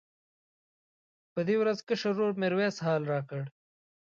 په دې ورځ کشر ورور میرویس حال راوکړ.